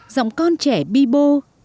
giọng con trẻ bi bô